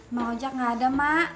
mak ojak gak ada mak